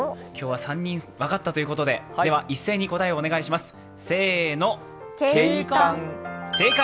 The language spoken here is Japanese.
今日は３人分かったということで、一斉に答えをお願いします。